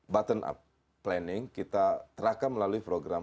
bottom up planning kita terakam melalui program